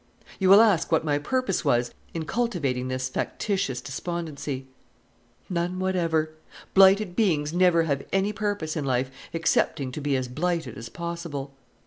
You will ask what my purpose was in cultivating this factitious despondency. None whatever. Blighted beings never have any purpose in life excepting to be as blighted as possible.